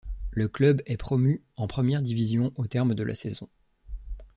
Le club est promu en première division au terme de la saison.